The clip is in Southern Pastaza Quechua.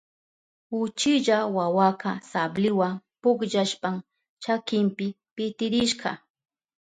Uchilla wawaka sabliwa pukllashpan chakinpi pitirishka.